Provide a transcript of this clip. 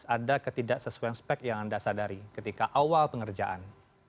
ada ketidaksesuaian spek yang anda sadari ketika awal pengerjaan